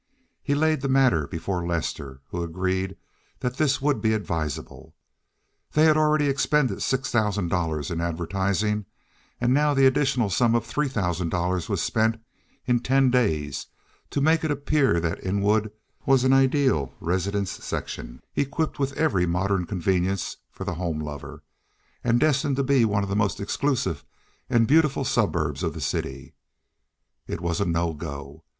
He laid the matter before Lester, who agreed that this would be advisable. They had already expended six thousand dollars in advertising, and now the additional sum of three thousand dollars was spent in ten days, to make it appear that In wood was an ideal residence section, equipped with every modern convenience for the home lover, and destined to be one of the most exclusive and beautiful suburbs of the city. It was "no go."